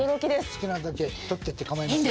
好きなだけ取ってって構いませんから。